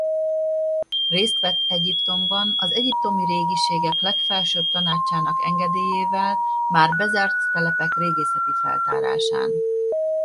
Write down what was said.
Részt vett Egyiptomban az egyiptomi Régiségek Legfelsőbb Tanácsának engedélyével már bezárt telepek régészeti feltárásán.